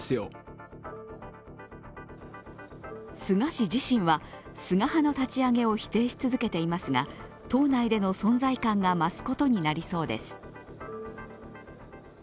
菅氏自身は、菅派の立ち上げを否定し続けていますが党内での存在感が増すことになりそうです。